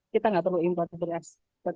kita tidak perlu impor beras